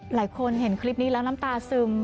หลายคนเห็นคลิปนี้แล้วน้ำตาซึม